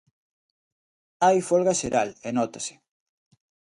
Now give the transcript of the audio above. Hai folga xeral e nótase.